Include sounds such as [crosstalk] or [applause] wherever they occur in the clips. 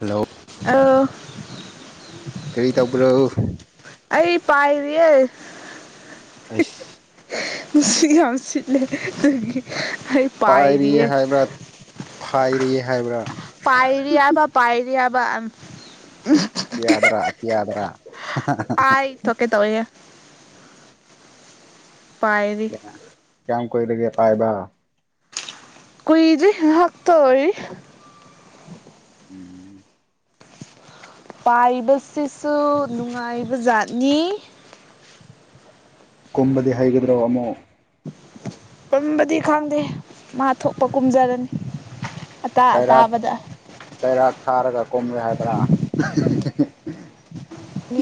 hello ꯑꯣ ꯀꯔꯤ ꯇꯧꯕ꯭ꯔꯣ ꯑꯩ ꯄꯥꯏꯔꯤꯌꯦ ꯑꯩꯁ ꯅꯨꯡꯁꯤꯠ ꯌꯥꯝ ꯁꯤꯠꯂꯦ ꯑꯗꯨꯒꯤ ꯄꯥꯏꯔꯤꯌꯦ ꯍꯥꯏꯕ꯭ꯔꯥ ꯐꯥꯏꯔꯤꯌꯦ ꯍꯥꯏꯕ꯭ꯔꯥ ꯄꯥꯏꯔꯤ ꯍꯥꯏꯕ ꯄꯥꯏꯔꯤ ꯍꯥꯏꯕ ꯑꯇꯤꯌꯥꯗꯔꯥ ꯑꯇꯤꯌꯥꯗꯔꯥ ꯑꯥꯏ ꯊꯣꯛꯀꯦ ꯇꯧꯋꯦꯍꯦ ꯄꯥꯏꯔꯤ ꯌꯥꯑꯑ ꯀꯌꯥꯝ ꯀꯨꯏꯔꯥꯒꯦ ꯄꯥꯏꯕ ꯀꯨꯏꯗ꯭ꯔꯤ ꯉꯍꯥꯛꯇ ꯑꯣꯏꯔꯤ ꯎꯝ ꯄꯥꯏꯕꯁꯤꯁꯨ ꯅꯨꯡꯉꯥꯏꯕ ꯖꯥꯠꯅꯤ ꯀꯨꯝꯕꯗꯤ ꯍꯩꯒꯗ꯭ꯔꯣ ꯑꯃꯨꯛ ꯀꯨꯝꯕꯗꯤ ꯈꯪꯗꯦ ꯃꯥ ꯊꯣꯛꯄ ꯀꯨꯝꯖꯔꯅꯤ ꯑꯇꯥ ꯀꯩꯔꯥꯛ ꯑꯇꯥꯕꯗ ꯀꯩꯔꯥꯛ ꯊꯥꯔꯒ ꯀꯨꯝꯔꯦ ꯍꯥꯏꯕ꯭ꯔꯥ [inaudible]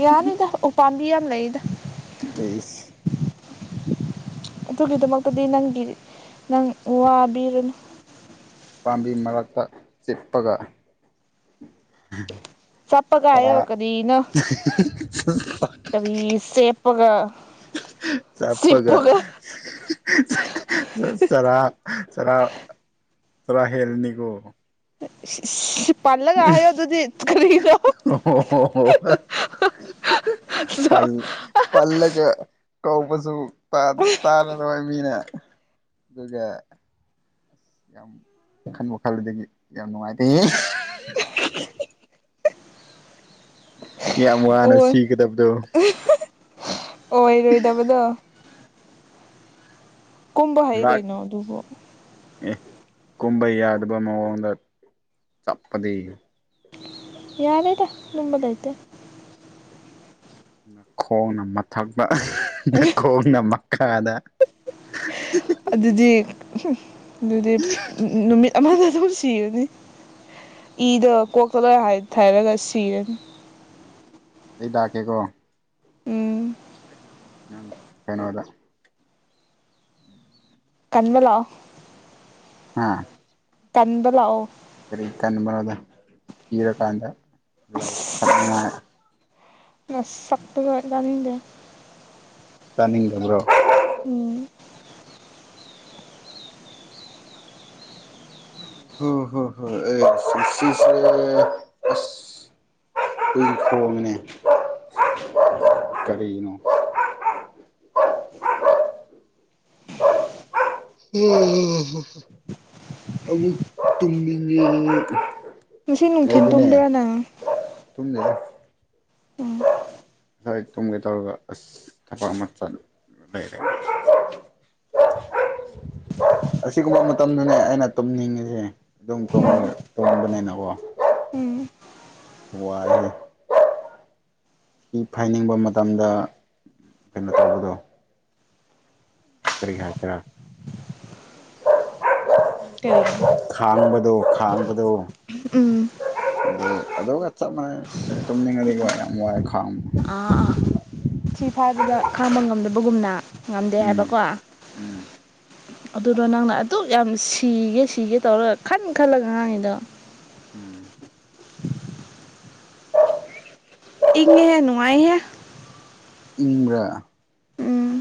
ꯌꯥꯅꯤꯗ ꯎ ꯄꯥꯝꯕꯤ ꯌꯥꯝ ꯂꯩꯗ [inaudible] ꯑꯗꯨꯒꯤꯗꯃꯛꯇꯗꯤ ꯅꯪꯒꯤ ꯅꯪ ꯋꯥꯕꯤꯔꯥꯅꯨ ꯄꯥꯝꯕꯤ ꯃꯔꯛꯇ ꯆꯤꯠꯄꯒ ꯆꯞꯄꯒ ꯍꯥꯏꯌꯣ ꯀꯔꯤꯅꯣ ꯀꯔꯤ [unintelligible] ꯆꯦꯞꯄꯒ ꯆꯞꯄꯒ ꯆꯤꯞꯄꯒ ꯆꯔꯥ ꯆꯔꯥ ꯆꯔꯥ ꯍꯦꯜꯂꯥꯅꯤꯀꯣ ꯏꯁ ꯏꯁꯁ ꯄꯥꯜꯂꯒ ꯍꯥꯏꯑꯣ ꯑꯗꯨꯗꯤ ꯀꯔꯤ ꯅꯣ ꯄꯜ ꯄꯜꯒ ꯀꯧꯕꯁꯨ ꯇꯥ ꯇꯥꯔꯥꯔꯣꯏ ꯃꯤꯅ ꯑꯗꯨꯒ ꯌꯥꯝ ꯈꯟꯕꯨ ꯈꯟꯂꯥꯗꯤ ꯌꯥꯝ ꯅꯨꯡꯉꯥꯏꯇꯦꯍꯦ ꯍꯤ ꯈꯤꯈꯤ ꯌꯥꯝ ꯋꯥꯅ ꯑꯣꯏ ꯁꯤꯒꯗꯕꯗꯣ ꯑꯣꯏꯔꯣꯏꯗꯕꯗꯣ ꯀꯨꯝꯕ ꯍꯩ ꯉꯥꯛ ꯀꯩꯅꯣ ꯑꯗꯨꯕꯨ ꯑꯦ ꯀꯨꯝꯕ ꯌꯥꯗꯕ ꯃꯑꯣꯡꯗ ꯆꯞꯄꯗꯤ ꯌꯥꯔꯦꯗ ꯑꯗꯨꯝꯕꯂꯩꯇꯦ ꯅ ꯈꯣꯡꯅ ꯃꯊꯛꯇ ꯅꯀꯣꯛꯅ ꯈꯥꯗꯥ ꯑꯗꯨꯗꯤ ꯍꯨꯝ ꯑꯗꯨꯗꯤ ꯅꯨꯃꯤꯠ ꯑꯃꯗ ꯑꯗꯨꯝ ꯁꯤ ꯁꯤꯔꯅꯤ ꯏꯗꯣ ꯀꯣꯛꯇꯂꯣꯏ ꯍꯥꯏ ꯊꯥꯔꯒ ꯁꯤꯔꯅꯤ ꯑꯩ ꯂꯥꯛꯀꯦꯀꯣ ꯎꯝ ꯅꯪ ꯀꯩꯅꯣꯗ ꯀꯟꯕ ꯂꯥꯛꯑꯣ ꯑꯥ ꯇꯝꯕ ꯂꯥꯛꯑꯣ ꯀꯔꯤ ꯀꯟꯕꯅꯣꯗ ꯀꯤꯔꯥ ꯀꯥꯟꯗ ꯑꯁ ꯂꯧꯈꯠ ꯅꯤꯡꯉꯥꯏ ꯅꯁꯛꯇꯨꯒ ꯌꯥꯅꯤꯡꯗꯦ ꯇꯥꯅꯤꯡꯗꯕ꯭ꯔꯣ ꯎꯝ [unintelligible] ꯍꯨꯏ ꯈꯣꯡꯉꯦꯅꯦ ꯀꯔꯤꯅꯣ ꯍꯥꯍꯥ ꯑꯃꯨꯛ ꯇꯨꯝꯅꯤꯡꯉꯦ ꯑꯩꯗꯤ ꯉꯁꯤ ꯅꯨꯡꯊꯤꯜ ꯇꯨꯝꯕ꯭ꯔꯥ ꯅꯪ ꯇꯨꯝꯗꯦꯗ ꯑꯣ ꯉꯁꯥꯏ ꯇꯨꯝꯒꯦ ꯇꯧꯔꯒ ꯑꯁ ꯊꯕꯛ ꯑꯃ ꯆꯠ ꯂꯩꯔꯦꯅꯦ [unintelligible] ꯑꯁꯤꯒꯨꯝꯕ ꯃꯇꯝꯗꯅꯦ ꯑꯩꯅ ꯇꯨꯝꯅꯤꯡꯉꯤꯁꯦ ꯑꯗꯨꯝ ꯇꯨꯝꯕ ꯎꯝ ꯇꯨꯝꯕꯅꯤꯅꯀꯣ [unintelligible] ꯎꯝ ꯋꯥꯏꯍꯦ ꯊꯤ ꯐꯥꯏꯅꯤꯡꯕ ꯃꯇꯝꯗ ꯀꯩꯅꯣ ꯇꯧꯕꯗꯣ ꯀꯔꯤ ꯍꯥꯏꯕ꯭ꯔꯥ ꯀꯔꯤ ꯗꯣ ꯈꯥꯡꯕꯗꯣ ꯎꯝ ꯑꯗꯨ ꯑꯗꯨꯒ ꯆꯞ ꯃꯥꯟꯅꯩ ꯑꯁ ꯇꯨꯝꯅꯤꯡꯉꯗꯤꯀꯣ ꯌꯥꯝ ꯋꯥꯢꯑꯦ ꯈꯥꯡ [unintelligible] ꯊꯤ ꯐꯥꯏꯕꯗ ꯈꯥꯡꯕ ꯉꯝꯗꯕꯒꯨꯝꯅ ꯉꯝꯗꯦ ꯎꯝ ꯍꯥꯏꯕꯀꯣ ꯎꯝ ꯑꯗꯨꯔꯣ ꯅꯪꯅ ꯑꯗꯨꯛ ꯌꯥꯝ ꯁꯤꯒꯦ ꯁꯤꯒꯦ ꯇꯧꯔꯒ ꯈꯟ ꯈꯜꯂꯒ ꯉꯥꯡꯉꯤꯗꯣ ꯏꯪꯉꯦꯍꯦ ꯅꯨꯡꯉꯥꯏꯍꯦ ꯏꯪꯕꯔꯥ ꯎꯝ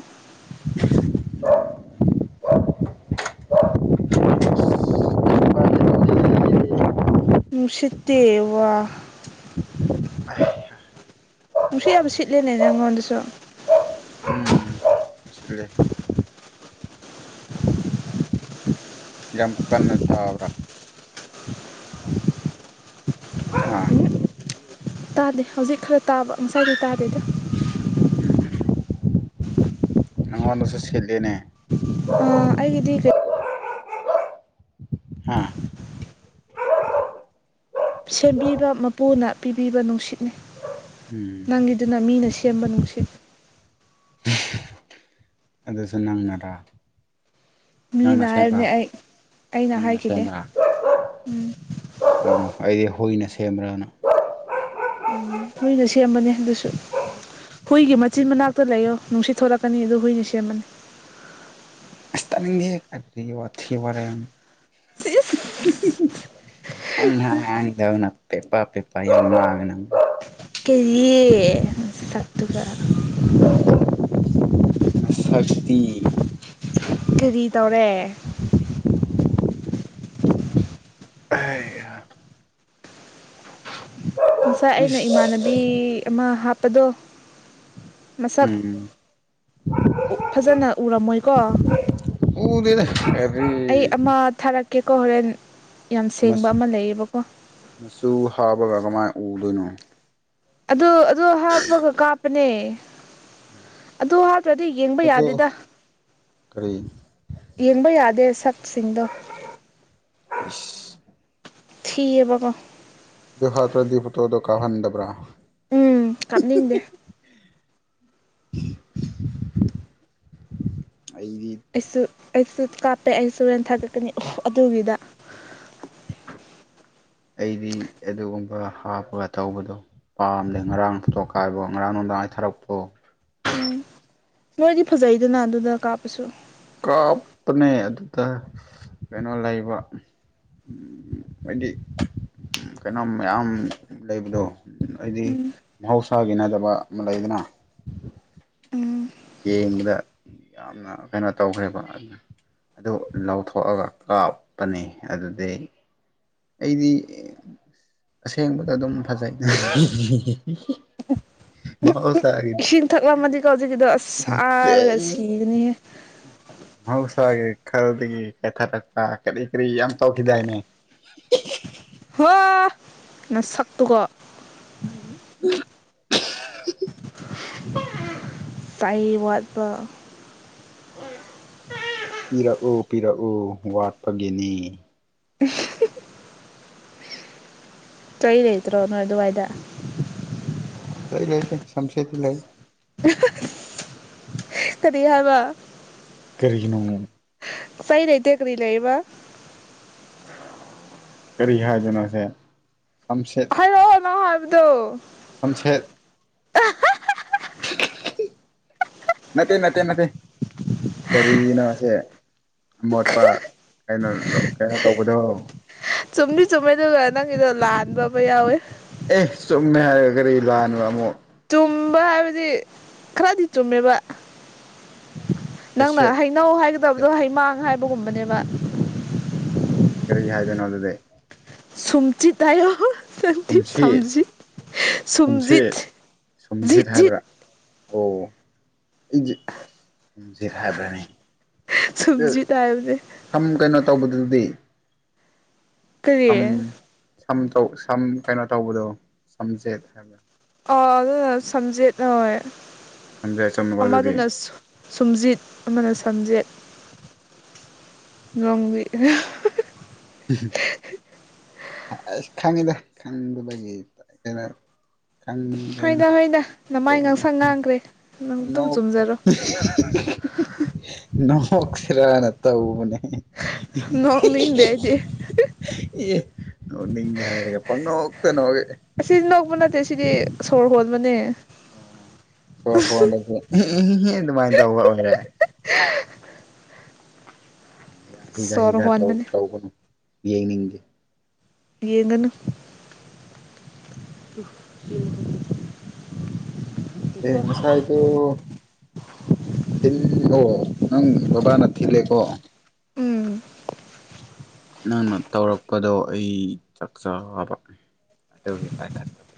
[unintelligible] ꯅꯨꯡꯁꯤꯠꯇꯤ ꯋꯥ ꯍꯩꯍꯥ ꯅꯨꯡꯁꯤꯠ ꯌꯥꯝ ꯁꯤꯠꯂꯦꯅꯦ ꯅꯪꯉꯣꯟꯗꯁꯨ ꯁꯤꯠꯂꯦ ꯌꯥꯝ ꯀꯟꯅ ꯇꯥꯕ꯭ꯔ ꯑꯥ ꯎꯝ ꯇꯥꯗꯦ ꯍꯧꯖꯤꯛ ꯈꯔ ꯇꯥꯕ ꯉꯁꯥꯏꯗꯤ ꯇꯥꯗꯦꯗ ꯅꯪꯉꯣꯟꯗꯁꯨ ꯁꯤꯠꯂꯦꯅꯦ ꯑ ꯑꯩꯒꯤꯗꯤ ꯀꯔꯤ ꯍꯥ ꯁꯦꯝꯕꯤꯕ ꯃꯄꯨꯅ ꯄꯤꯕꯤꯕ ꯅꯨꯡꯁꯤꯠꯅꯤ ꯎꯝ ꯅꯪꯒꯤꯗꯨꯅ ꯃꯤꯅ ꯁꯦꯝꯕ ꯅꯨꯡꯁꯤꯠ ꯑꯗꯨꯁꯨ ꯅꯪꯅꯔꯥ ꯅꯪꯅ ꯃꯤꯅ ꯁꯦꯝꯕ꯭ꯔꯥ ꯍꯥꯏꯕꯅꯦ ꯑꯩ ꯑꯩꯅ ꯍꯥꯏꯈꯤꯗꯦ ꯃꯤꯅꯁꯦꯝꯕ꯭ꯔꯥ ꯎꯝ ꯑꯩꯗꯤ ꯍꯨꯏꯅ ꯁꯦꯝꯕ꯭ꯔꯥꯅ ꯎꯝ ꯍꯨꯏꯅ ꯁꯦꯝꯕꯅꯦ ꯑꯗꯨꯁꯨ ꯍꯨꯏꯒꯤ ꯃꯆꯤꯟ ꯃꯅꯥꯛꯇ ꯂꯩꯌꯣ ꯅꯨꯡꯁꯤꯠ ꯊꯣꯛꯂꯛꯀꯅꯤ ꯑꯗꯨ ꯍꯨꯏꯅ ꯁꯦꯝꯕꯅꯤ [inaudible] ꯑꯦ ꯑꯗꯨꯗꯤ ꯋꯥꯊꯤ ꯋꯥꯔꯦꯝ ꯏꯁ ꯅꯪꯅ ꯑꯉꯥꯡꯗꯧꯅ ꯄꯦ ꯄꯥ ꯄꯦ ꯄꯥ ꯌꯥꯝ ꯉꯥꯡꯉꯦ ꯅꯪ ꯀꯔꯤ ꯁꯛꯇꯨꯒ ꯁꯛꯇꯤ ꯀꯔꯤ ꯇꯧꯔꯦ ꯑꯁ ꯉꯁꯥꯏ ꯑꯩꯅ ꯏꯃꯥꯟꯅꯕꯤ ꯑꯃ ꯍꯥꯞꯄꯗꯣ ꯃꯁꯛ ꯎꯝ ꯐꯖꯅ ꯎꯔꯝꯃꯣꯏꯀꯣ ꯎꯗꯦꯗ [unintelligible] ꯀꯦꯀꯣ ꯍꯣꯔꯦꯟ ꯌꯥꯝ ꯁꯦꯡꯕ ꯃꯆꯨ ꯑꯃ ꯂꯩꯌꯦꯕꯀꯣ ꯃꯆꯨ ꯍꯥꯕꯒ ꯀꯃꯥꯏꯅ ꯎꯗꯣꯏꯅꯣ ꯑꯗꯨ ꯑꯗꯨ ꯍꯥꯞꯄꯒ ꯀꯥꯞꯄꯅꯦ ꯑꯗꯨ ꯍꯥꯞꯇ꯭ꯔꯗꯤ ꯌꯦꯡꯕ ꯑꯗꯣ ꯌꯥꯗꯦꯗ ꯀꯔꯤ ꯌꯦꯡꯕ ꯌꯥꯗꯦ ꯁꯛꯁꯤꯡꯗꯣ ꯊꯤꯌꯦꯕ ꯀꯣ ꯑꯗꯨ ꯍꯥꯞꯇ꯭ꯔꯗꯤ ꯐꯣꯇꯣꯗꯣ ꯀꯥꯎꯍꯟꯗꯕ꯭ꯔꯥ ꯎꯝ ꯀꯥꯞꯅꯤꯡꯗꯦ [inaudible] ꯑꯩꯗꯤ ꯑꯩꯁꯨ ꯑꯩꯁꯨ ꯀꯥꯞꯄꯦ ꯑꯩꯁꯨ ꯍꯣꯔꯦꯟ ꯊꯥꯒꯠꯀꯅꯤ ꯑꯗꯨꯒꯤꯗ [inaudible] ꯑꯩꯗꯤ ꯑꯗꯨꯒꯨꯝꯕ ꯍꯥꯞꯄꯒ ꯇꯧꯕꯗꯣ ꯄꯥꯝꯗꯦ ꯉꯔꯥꯡ ꯇꯣꯀꯥꯏꯕ ꯉꯔꯥꯡ ꯅꯨꯡꯗꯥꯡ ꯊꯥꯔꯛꯄ꯭ꯔꯣ ꯃꯣꯏꯗꯤ ꯐꯖꯩꯗꯅ ꯑꯗꯨꯗ ꯀꯥꯞꯄꯁꯨ ꯀꯥꯞꯄꯅꯦ ꯑꯗꯨꯗ ꯀꯩꯅꯣ ꯂꯩꯕ ꯎꯝ ꯍꯥꯏꯗꯤ ꯀꯩꯅꯣꯝ ꯃꯌꯥꯝ ꯂꯩꯕꯗꯣ ꯍꯥꯏꯗꯤ ꯃꯍꯧꯁꯥꯒꯤ ꯅꯗꯕ ꯑꯃ ꯂꯩꯗꯅ [unintelligible] ꯌꯦꯡꯕꯗ ꯌꯥꯝꯅ ꯀꯩꯅꯣ ꯇꯧꯈ꯭ꯔꯦꯕ ꯑꯗꯨꯅ ꯑꯗꯨ ꯂꯧꯊꯣꯛꯑꯒ ꯀꯥꯞꯄꯅꯤ ꯑꯗꯨꯗꯤ ꯑꯩꯗꯤ ꯑꯁꯦꯡꯕꯗ ꯑꯗꯨꯝ ꯐꯖꯩꯏ [unintelligible] ꯏꯁꯤꯡ ꯊꯛꯂꯝꯃꯗꯤꯀꯣ ꯍꯧꯖꯤꯛꯀꯤꯗꯣ ꯑꯁ ꯍꯥꯔꯒ ꯁꯤꯒꯥꯅꯤꯍꯦ ꯃꯍꯧꯁꯥꯒꯤ ꯈꯜꯗꯒꯤ ꯀꯦꯊꯥꯔꯛꯄ ꯀꯔꯤ ꯀꯔꯤ ꯌꯥꯝ ꯇꯧꯈꯤꯗꯥꯏꯅꯦ [unintelligible] ꯍꯣ ꯅꯁꯛꯇꯨꯒ [unintelligible] ꯆꯩ ꯋꯥꯠꯄ ꯄꯤꯔꯛ ꯑꯣ ꯄꯤꯔꯛ ꯑꯣ ꯋꯥꯠꯄꯒꯤꯅꯦ [unintelligible] ꯆꯩ ꯂꯩꯇ꯭ꯔꯣ ꯅꯣꯏ ꯑꯗꯨꯋꯥꯏꯗ ꯆꯩ ꯂꯩꯇꯦ ꯁꯝꯖꯦꯠꯇꯤ ꯂꯩ [unintelligible] ꯀꯔꯤ ꯍꯥꯏꯕ ꯀꯔꯤꯒꯤꯅꯣꯅꯦ ꯆꯩ ꯂꯩꯇꯦ ꯀꯔꯤ ꯂꯩꯌꯦꯕ ꯀꯔꯤ ꯍꯥꯏꯕꯅꯣꯅꯦ ꯍꯥꯏꯔꯛꯑꯣ ꯅꯪ ꯍꯥꯏꯕꯗꯣ ꯁꯝꯁꯦꯠ ꯅꯠꯇꯦ ꯅꯠꯇꯦ ꯅꯠꯇꯦ ꯀꯔꯤꯅꯣꯁꯦ ꯑꯃꯣꯠꯄ ꯀꯩꯅꯣ ꯀꯩꯅꯣ ꯇꯧꯕꯗꯣ ꯆꯨꯝꯗꯤ ꯆꯨꯝꯃꯦ ꯑꯗꯨꯒ ꯅꯪꯒꯤꯗꯣ ꯂꯥꯟꯕ ꯑꯃ ꯌꯥꯎꯋꯦ ꯑꯦ ꯆꯨꯝꯃꯦ ꯍꯥꯏꯔꯒ ꯀꯔꯤ ꯂꯥꯟꯕ ꯑꯃꯨꯛ ꯆꯨꯝꯕ ꯍꯥꯏꯕꯗꯤ ꯈꯔꯗꯤ ꯆꯨꯝꯃꯦꯕ ꯅꯪꯅ ꯁꯨꯁꯦꯠ ꯍꯩꯅꯧ ꯍꯥꯏꯒꯗꯕꯗꯣ ꯁꯝꯁꯦꯠ ꯍꯩꯃꯥꯡ ꯍꯥꯏꯕꯒꯨꯝꯕꯅꯦꯕ ꯀꯔꯤ ꯍꯥꯏꯗꯣꯏꯅꯣ ꯑꯗꯨꯗꯤ ꯁꯨꯝꯖꯤꯠ ꯍꯥꯏꯌꯣ ꯁꯝꯗꯤ ꯁꯨꯝꯁꯤꯠ ꯁꯝꯖꯤꯠ ꯁꯨꯝꯖꯤꯠ ꯁꯨꯝꯁꯤꯠ ꯁꯨꯝꯁꯤꯠ ꯖꯤꯠ ꯖꯤꯠ ꯍꯥꯏꯕ꯭ꯔꯥ ꯑꯣ ꯑꯩꯁꯦ ꯑ ꯁꯨꯝꯖꯤꯔ ꯍꯥꯏꯕ꯭ꯔꯥꯅꯦ ꯁꯨꯝꯖꯤꯠ ꯇꯥꯏꯕꯅꯦ ꯁꯝ ꯀꯩꯅꯣ ꯇꯧꯕꯗꯨꯗꯤ ꯀꯔꯤ ꯁꯝ ꯁꯝ ꯇꯧ ꯁꯝ ꯀꯩꯅꯣ ꯇꯧꯕꯗꯣ ꯁꯝꯖꯦꯠ ꯍꯥꯏꯕ꯭ꯔꯥ ꯑ ꯑꯗꯨꯅ ꯁꯝꯖꯦꯠ ꯍꯣꯢ ꯁꯝꯖꯦꯠ ꯆꯨꯝꯃꯤꯀꯣ ꯑꯗꯨꯗꯤ ꯑꯃꯗꯨꯅ ꯁꯨ ꯁꯨꯝꯖꯤꯠ ꯑꯃꯅ ꯁꯝꯖꯦꯠ ꯅꯣꯡꯕꯤ ꯑꯁ ꯈꯪꯏꯗ ꯈꯪꯕꯗꯒꯤ ꯈꯔ ꯈꯪꯗ ꯍꯣꯏꯗ ꯍꯣꯏꯗ ꯅꯃꯥꯏ ꯉꯥꯡꯁꯪ ꯉꯥꯡꯈ꯭ꯔꯦ ꯅꯪ ꯑꯗꯨꯝ ꯅꯣꯛ ꯆꯨꯝꯖꯔꯣ ꯅꯣꯛꯁꯤꯔꯅ ꯇꯧꯕꯅꯦ ꯑꯍꯤ ꯍꯤ ꯍꯤ ꯗꯤ ꯍꯤꯍꯤ ꯅꯣꯛꯅꯤꯡꯗꯦ ꯍꯥꯏꯔꯒꯦ ꯄꯪꯅꯣꯛꯇ ꯅꯣꯛꯏ ꯗꯨꯗꯤ ꯁꯣꯔ ꯍꯣꯟꯕꯅꯦ ꯑꯍꯤ ꯍꯤ ꯑꯗꯨꯃꯥꯥꯏꯅ ꯇꯧꯕ ꯑꯣꯏꯔꯦ [unintelligible] ꯃꯌꯥ ꯍꯤꯒꯥ ꯁꯣꯔ ꯍꯤꯒꯥ ꯇꯧ ꯍꯣꯟꯕꯅꯦ ꯇꯧꯒꯅꯨ ꯌꯦꯡꯅꯤꯡꯗꯦ ꯌꯦꯡꯒꯅꯨ [unintelligible] ꯅꯦ ꯉꯁꯥꯏꯗꯣ ꯊꯤꯟ ꯑꯣ ꯅꯪ ꯕꯕꯥꯅ ꯊꯤꯜꯂꯦꯀꯣ ꯎꯝ ꯅꯪꯅ ꯇꯧꯔꯛꯄꯗꯣ ꯑꯩ ꯆꯥꯛꯆꯥꯕ ꯑꯗꯨꯒꯤ ꯄꯥꯏꯈꯠꯇꯕ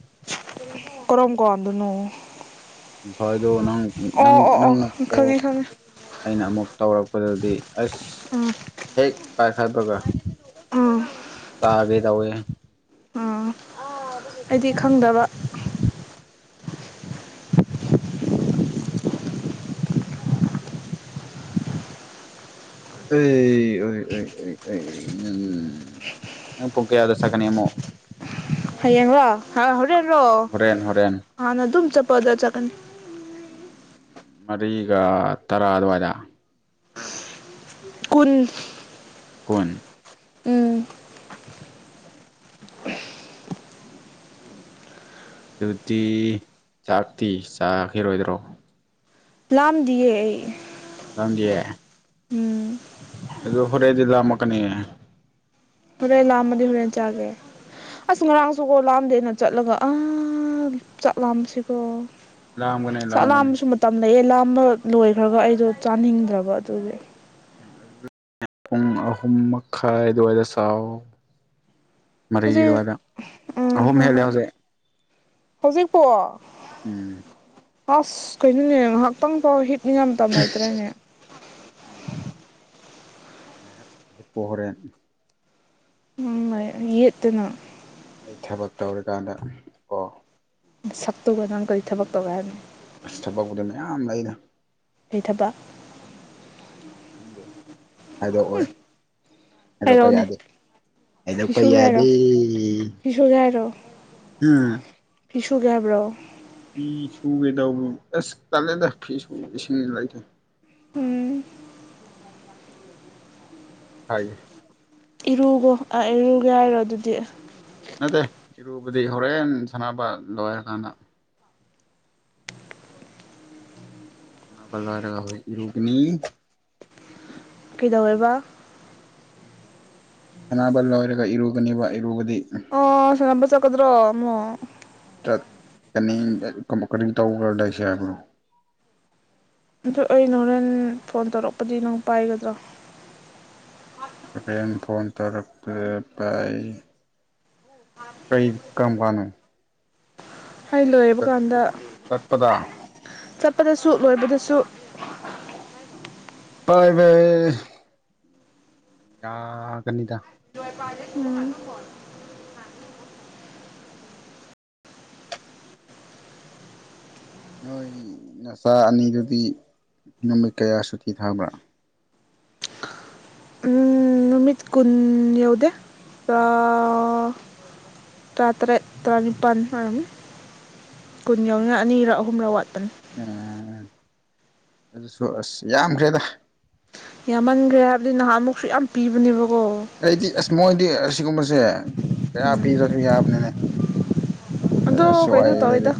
ꯀꯔꯝ ꯀꯥꯟꯗꯅꯣ ꯉꯁꯥꯏꯗꯣ ꯅꯪ ꯅꯪ ꯑꯣ ꯑꯣ ꯑꯣ ꯅꯪꯅ ꯈꯪꯉꯦ ꯄꯣꯛ ꯈꯪꯉꯦ ꯑꯩꯅ ꯑꯃꯨꯛ ꯇꯧꯔꯛꯄꯗꯗꯤ ꯑꯁ ꯍꯦꯛ ꯄꯥꯏꯈꯠꯕꯒ ꯑꯥ ꯆꯥꯒꯦ ꯇꯧꯋꯦꯍꯦ ꯑꯩꯗꯤ ꯈꯪꯗꯕ ꯁꯛꯇꯨꯒ ꯑꯩ ꯑꯣꯏ ꯑꯣꯏ ꯑꯣꯏ ꯑꯩ ꯅꯪ ꯅꯪ ꯄꯨꯡ ꯀꯌꯥꯗ ꯆꯠꯀꯥꯅꯤ ꯑꯃꯨꯛ ꯍꯌꯦꯡꯔꯣ ꯍ ꯍꯣꯔꯦꯟꯔꯣ ꯍꯣꯔꯦꯟ ꯍꯣꯔꯦꯟ ꯍꯥꯟꯅ ꯑꯗꯨꯝ ꯆꯠꯄꯗꯥ ꯆꯠꯀꯅꯤ ꯃꯔꯤꯒ ꯇꯔꯥ ꯑꯗꯨꯋꯥꯏꯗ ꯀꯨꯟ ꯀꯨꯟ ꯎꯝ ꯗꯨꯗꯤ ꯆꯥꯛꯇꯤ ꯆꯥꯈꯤꯔꯣꯏꯗ꯭ꯔꯣ ꯂꯥꯝꯗꯤꯌꯦ ꯑꯩ ꯂꯥꯝꯗꯤꯌꯦ ꯎꯝ ꯑꯗꯣ ꯍꯣꯔꯦꯟꯗꯤ ꯂꯥꯝꯃꯛꯀꯅꯤꯌꯦ ꯍꯣꯔꯦꯟ ꯂꯥꯝꯃꯗꯤ ꯍꯣꯔꯦꯟ ꯆꯥꯒꯦ ꯑꯁ ꯉꯔꯥꯡꯁꯨꯀꯣ ꯂꯥꯝꯗꯦꯅ ꯆꯠꯂꯒ ꯑ ꯆꯥꯛ ꯂꯥꯝꯕꯁꯤꯀꯣ ꯂꯥꯝꯒꯅꯤ ꯆꯥꯛ ꯂꯥꯝꯒꯅꯤ ꯂꯥꯝꯕꯁꯨ ꯃꯇꯝ ꯂꯩꯌꯦ ꯂꯥꯝ ꯕꯛ ꯂꯣꯏꯈ꯭ꯔꯒ ꯑꯩꯗꯣ ꯆꯥꯅꯤꯡꯗ꯭ꯔꯕ ꯑꯗꯨꯒꯤ ꯄꯨꯡ ꯑꯍꯨꯝ ꯃꯈꯥꯏ ꯑꯗꯨꯋꯥꯏꯗ ꯆꯥꯎ ꯃꯔꯤ ꯍꯧꯖꯤꯛ ꯑꯗꯨꯋꯥꯏꯗ ꯑꯍꯨꯝ ꯍꯦꯜꯂꯦ ꯍꯧꯖꯤꯛ ꯍꯧꯖꯤꯛ ꯄꯣ ꯎꯝ ꯑꯁ ꯀꯩꯅꯣꯅꯦ ꯉꯍꯥꯛꯇꯪꯐꯥꯎ ꯍꯤꯞꯅꯤꯉꯥꯏ ꯃꯇꯝ ꯂꯩꯇ꯭ꯔꯦꯅꯦ ꯎꯝ ꯉꯥꯏꯍꯥꯛ ꯍꯤꯞꯄꯣ ꯍꯣꯔꯦꯟ ꯎꯝ ꯌꯦꯠꯇꯅ ꯑꯩ ꯊꯕꯛ ꯇꯧꯔꯀꯥꯟꯗ ꯀꯣ ꯅꯁꯛꯇꯨꯒ ꯅꯪ ꯀꯔꯤ ꯊꯕꯛ ꯇꯧꯒꯦ ꯍꯥꯏꯕꯅꯣ ꯑꯁ ꯊꯕꯛꯄꯨꯗꯤ ꯃꯌꯥꯝ ꯂꯩꯗ ꯀꯩ ꯊꯕꯛ ꯈꯪꯗꯦ ꯍꯥꯏꯗꯣꯛꯑꯣꯏ ꯍꯥꯏꯗꯣꯛꯄ ꯍꯥꯏꯔꯛꯑꯣꯅꯦ ꯌꯥꯗꯦ ꯐꯤ ꯍꯥꯏꯗꯣꯛꯄ ꯁꯨꯒꯦ ꯍꯥꯏꯔꯣ ꯌꯥꯗꯦ ꯐꯤ ꯁꯨꯒꯦ ꯑꯨꯝ ꯐꯤꯁꯨꯒꯦ ꯍꯥꯏꯕ꯭ꯔꯣ ꯐꯤ ꯁꯨꯒꯦ ꯇꯧꯕ ꯑꯁ ꯇꯜꯂꯦꯗ ꯐꯤ ꯁꯨꯕ ꯏꯁꯤꯡꯖꯨ ꯂꯩꯇꯦ ꯎꯝ ꯍꯥꯏ ꯏꯔꯨꯒꯣ ꯑꯥ ꯏꯔꯨꯒꯦ ꯍꯥꯏꯔꯣ ꯑꯗꯨꯗꯤ ꯅꯠꯇꯦ ꯏꯔꯨꯕꯗꯤ ꯍꯣꯔꯦꯟ ꯁꯥꯟꯅꯕ ꯂꯣꯏꯔꯀꯥꯟꯗ ꯁꯥꯅꯕ ꯂꯣꯏꯔꯒ ꯍꯨꯖꯤꯛ ꯏꯔꯨꯒꯅꯤ ꯀꯩꯗꯧꯋꯦꯕ ꯁꯅꯥꯕ ꯂꯣꯏꯔꯒ ꯏꯔꯨꯒꯅꯤꯕ ꯏꯔꯨꯕꯗꯤ ꯑꯣ ꯁꯥꯅꯕ ꯆꯠ ꯀꯗ꯭ꯔꯣ ꯑꯃꯨꯛ ꯆꯠꯀꯅꯤ ꯀꯔꯤ ꯇꯧꯔꯒꯂꯩꯁꯦ ꯍꯥꯏꯕꯔꯣ ꯑꯗꯨ ꯑꯩ ꯍꯣꯔꯦꯟ ꯐꯣꯟ ꯇꯧꯔꯛꯄꯗꯤ ꯅꯪ ꯄꯥꯏꯒꯗ꯭ꯔꯣ ꯍꯣꯔꯦꯟ ꯐꯣꯟ ꯇꯧꯔꯛꯇꯦ ꯄꯥꯏ ꯀꯩ ꯀꯝꯀꯟꯅꯣ ꯍꯩ ꯂꯣꯏꯔꯕ ꯀꯥꯟꯗ ꯆꯠꯄꯗ ꯆꯠ ꯑꯗꯁꯨ ꯂꯣꯏꯕꯗꯨꯁꯨ ꯄꯥꯏꯕꯩ ꯌꯥ ꯒꯅꯤꯗ ꯎꯝ ꯅꯣꯏ ꯅꯆꯥ ꯑꯅꯤꯗꯨꯗꯤ ꯅꯨꯃꯤꯠ ꯀꯌꯥ ꯁꯨꯇꯤ ꯊꯕ꯭ꯔꯥ ꯎꯝ ꯅꯨꯃꯤꯠ ꯀꯨꯟ ꯌꯧꯗꯦ ꯇꯑꯑꯑꯑ ꯇꯔꯥꯇꯔꯦꯠ ꯇꯔꯥꯅꯤꯄꯥꯜ ꯑꯣꯏꯔꯝꯅꯤ ꯀꯨꯟ ꯌꯥꯎꯅꯤꯉꯏ ꯑꯅꯤꯔ ꯑꯍꯨꯝꯔ ꯋꯥꯠ ꯄꯟ ꯎꯝ ꯑꯗꯨꯁꯨ ꯑꯁ ꯌꯥꯝꯈ꯭ꯔꯦꯗ ꯌꯥꯝꯃꯟꯒ꯭ꯔꯦ ꯑꯗꯨ ꯅꯍꯥꯟꯃꯨꯛꯁꯨ ꯌꯥꯝ ꯄꯤꯕꯅꯦꯕꯣ ꯁꯤꯒꯨꯝꯕꯁꯦ ꯀꯌꯥ ꯄꯤꯔꯁꯨ ꯌꯥꯕꯅꯤꯅꯦ ꯑꯗꯣ ꯀꯩꯅꯣ ꯇꯧꯋꯦꯗ ꯑꯁꯋꯥꯏꯗꯗꯤ